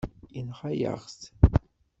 Yenɣa-yaɣ-t.